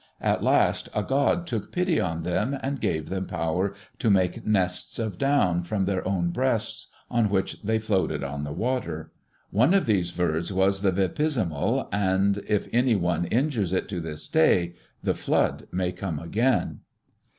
At last a god took pity on them and gave them power to make "nests of down" from their own breasts on which they floated on the water. One of these birds was the vipisimal, and if any one injures it to this day, the flood may come again.